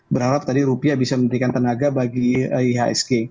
berharap tadi rupiah bisa memberikan tenaga bagi ihsg